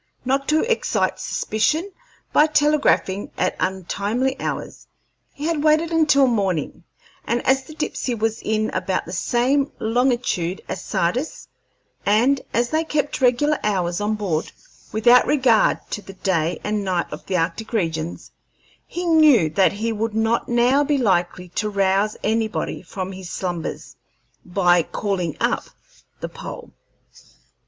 Not to excite suspicion by telegraphing at untimely hours, he had waited until morning, and as the Dipsey was in about the same longitude as Sardis, and as they kept regular hours on board, without regard to the day and night of the arctic regions, he knew that he would not now be likely to rouse anybody from his slumbers by "calling up" the pole.